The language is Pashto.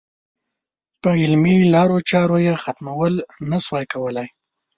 په علمي لارو چارو یې ختمول نه شوای کولای.